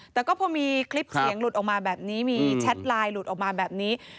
แต่ก็พอมีคลิปเสียงหลุดออกมาแบบนี้มีแชทไลน์หลุดออกมาแบบนี้